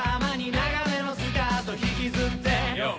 長めのスカートひきずって